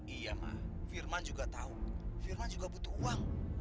iya mah firman juga tahu firman juga butuh uang